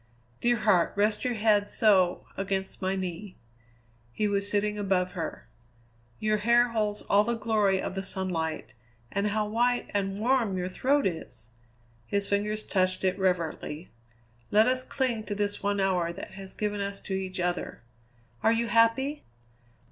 Dear heart, rest your head, so, against my knee." He was sitting above her. "Your hair holds all the glory of the sunlight, and how white and warm your throat is!" His fingers touched it reverently. "Let us cling to this one hour that has given us to each other. Are you happy?"